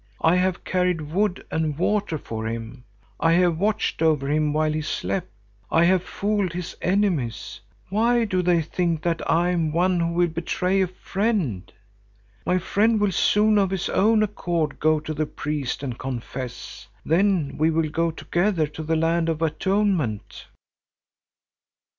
I have carried wood and water for him; I have watched over him while he slept; I have fooled his enemies. Why do they think that I am one who will betray a friend? My friend will soon of his own accord go to the priest and confess, then we will go together to the land of atonement."